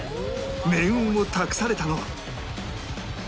命運を託されたのは